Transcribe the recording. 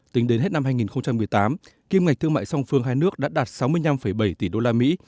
tính đến hết năm hai nghìn một mươi tám kim ngạch thương mại song phương hai nước đã đạt sáu mươi năm bảy tỷ đô la mỹ